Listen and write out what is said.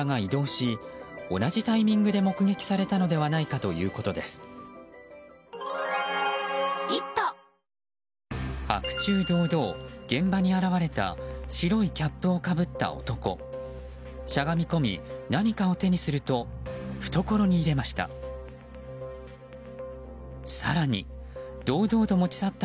しゃがみこみ、何かを手にすると懐に入れました。